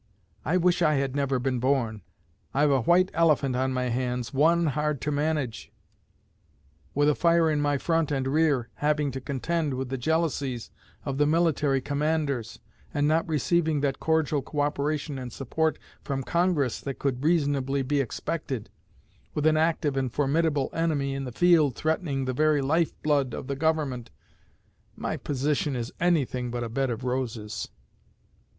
I wish I had never been born! I've a white elephant on my hands, one hard to manage. With a fire in my front and rear, having to contend with the jealousies of the military commanders, and not receiving that cordial co operation and support from Congress that could reasonably be expected, with an active and formidable enemy in the field threatening the very life blood of the Government, my position is anything but a bed of roses."